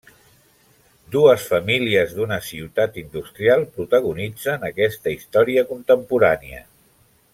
Dues famílies d'una ciutat industrial protagonitzen aquesta història contemporània.